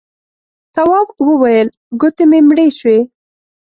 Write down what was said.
تواب وويل: گوتې مې مړې شوې.